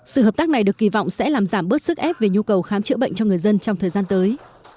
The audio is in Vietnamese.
sự hợp tác này được kỳ vọng sẽ làm giảm bớt sức ép về nhu cầu khám chữa bệnh cho người dân trong thời gian tới